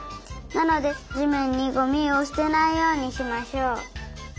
なのでじめんにゴミをすてないようにしましょう。